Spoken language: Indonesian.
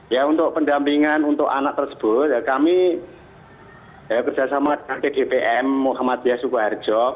ya untuk pendampingan untuk anak tersebut ya kami ya kerjasama dengan pdpm muhammad yasuko harjo